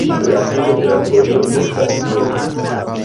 La fino de la folio estas pinta.